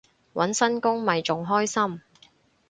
搵新工咪仲開心